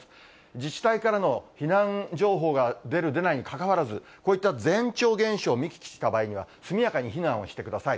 自治体からの避難情報が出る、出ないにかかわらず、こういった前兆現象、見聞きした場合には速やかに避難をしてください。